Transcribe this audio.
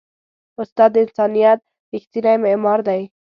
استاد د انسانیت ریښتینی معمار دی.